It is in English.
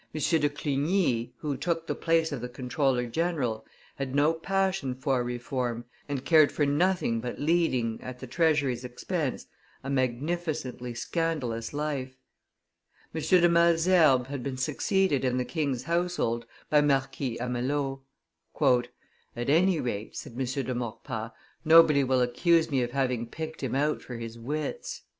de Clugny, who took the place of the comptroller general, had no passion for reform, and cared for nothing but leading, at the treasury's expense, a magnificently scandalous life; M. de Malesherbes had been succeeded in the king's household by Marquis Amelot. "At any rate," said M. de Maurepas, "nobody will accuse me of having picked him out for his wits."